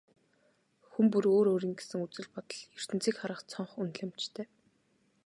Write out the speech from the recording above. Хүн бүр өөр өөрийн гэсэн үзэл бодол, ертөнцийг харах цонх, үнэлэмжтэй.